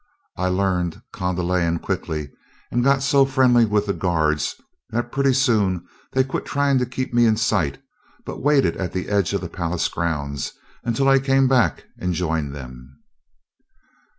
I learned Kondalian quickly, and got so friendly with the guards, that pretty soon they quit trying to keep me in sight, but waited at the edge of the palace grounds until I came back and joined them.